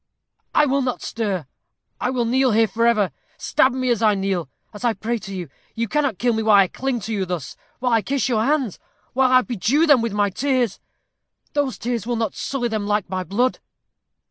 "I will not stir. I will kneel here forever. Stab me as I kneel as I pray to you. You cannot kill me while I cling to you thus while I kiss your hands while I bedew them with my tears. Those tears will not sully them like my blood."